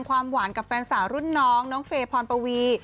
ความหวานกับแฟนสาวรุ่นน้องน้องเฟย์พรปวี